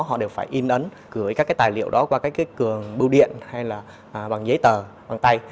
họ đều phải in ấn gửi các cái tài liệu đó qua các cái cường bưu điện hay là bằng giấy tờ bằng tay